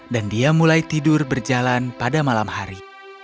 dan dia mulai tidur berjalan pada malam hari